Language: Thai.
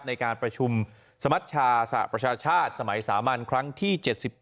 ในการประชุมสมัชชาสหประชาชาติสมัยสามัญครั้งที่๗๘